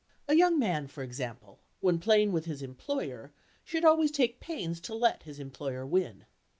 A young man, for example, when playing with his employer, should always take pains to let his employer win.